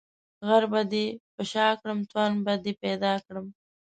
غر به دي په شاکړم ، توان به دي پيدا کړم.